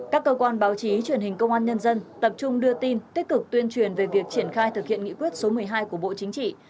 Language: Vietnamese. các cơ quan báo chí truyền hình công an nhân dân tập trung đưa tin tích cực tuyên truyền về việc triển khai thực hiện nghị quyết số một mươi hai của bộ chính trị